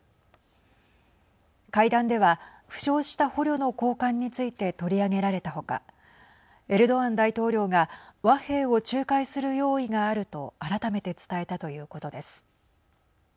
会談では負傷した捕虜の交換について取り上げられた他エルドアン大統領が和平を仲介する用意があると改めて伝えたということです。